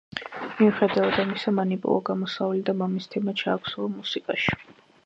მიუხედავად ამისა, მან იპოვა გამოსავალი და მამის თემა ჩააქსოვა მუსიკაში.